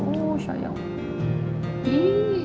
lulus ya ya allah